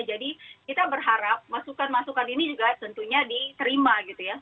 jadi kita berharap masukan masukan ini juga tentunya diterima gitu ya